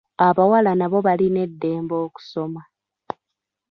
Abawala nabo balina eddembe okusoma.